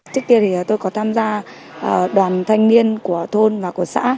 trước tiên thì tôi có tham gia đoàn thanh niên của thôn và của xã